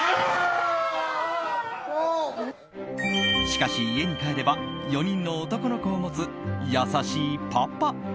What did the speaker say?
しかし、家に帰れば４人の男の子を持つ優しいパパ。